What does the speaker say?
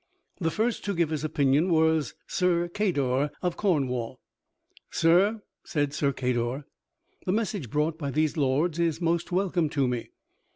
The first to give his opinion was Sir Cador of Cornwall. "Sir," said Sir Cador, "the message brought by these lords is most welcome to me.